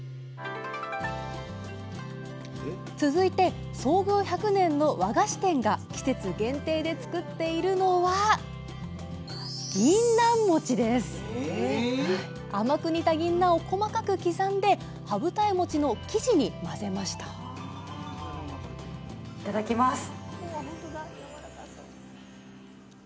続いて創業１００年の和菓子店が季節限定で作っているのは甘く煮たぎんなんを細かく刻んで羽二重もちの生地に混ぜましたいただきます。